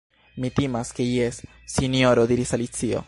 "Mi timas ke jes, Sinjoro," diris Alicio. "